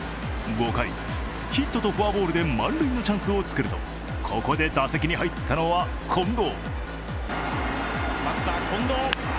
５回、ヒットとフォアボールで満塁のチャンスを作るとここで打席に入ったのは近藤。